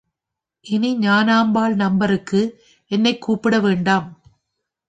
இனி ஞானாம்பாள் நம்பருக்கு என்னை கூப்பிட வேண்டாம்.